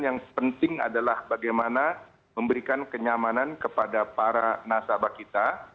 yang penting adalah bagaimana memberikan kenyamanan kepada para nasabah kita